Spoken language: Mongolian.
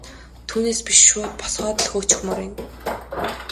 Түүнээс биш шууд босгоод л хөөчихмөөр байна.